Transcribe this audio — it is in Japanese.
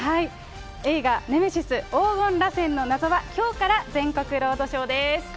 映画、ネメシス黄金螺旋の謎はきょうから全国ロードショーです。